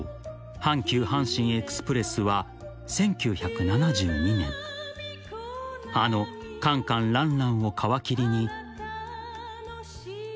阪急阪神エクスプレスは１９７２年あのカンカンランランを皮切りに］